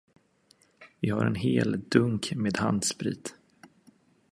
Vi har en hel dunk med handsprit.